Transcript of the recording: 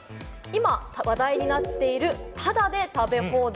今話題になっている、タダで食べ放題。